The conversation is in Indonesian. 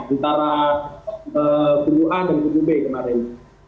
antara kubu a dan kubu b kemarin